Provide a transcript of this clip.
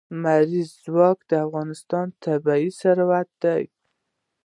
لمریز ځواک د افغانستان طبعي ثروت دی.